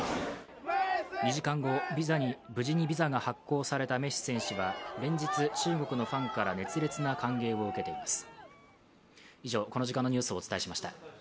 ２時間後、無事にビザが発行されたメッシ選手は連日、中国のファンから熱烈な歓迎を受けています。